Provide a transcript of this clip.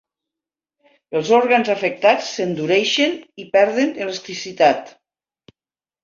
Els òrgans afectats s'endureixen i perden elasticitat.